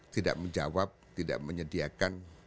tidak menjawab tidak menyediakan